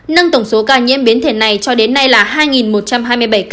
nâng tổng số ca nhiễm biến thể này cho đến nay là hai một trăm hai mươi bảy ca